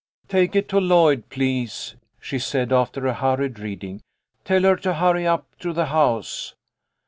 " Take it to Lloyd, please," she said, after a hur ried reading. " Tell her to hurry up to the house."